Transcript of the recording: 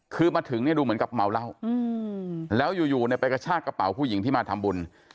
คือมาถึงเนี่ยดูเหมือนกับเมาเหล้าแล้วอยู่เนี่ยไปกระชากระเป๋าผู้หญิงที่มาทำบุญ